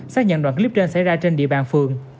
xác nhận đoạn clip trên xảy ra trên địa bàn phường